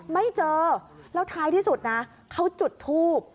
ไม่เจอแล้วท้ายที่สุดนะเขาจุดทูบ